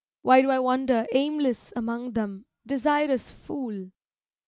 Why do I wander aimless among them, desirous fool?